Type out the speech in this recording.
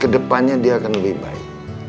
kedepannya dia akan lebih baik